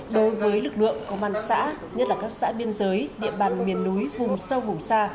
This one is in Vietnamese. đối với lực lượng công an xã nhất là các xã biên giới địa bàn miền núi vùng sâu vùng xa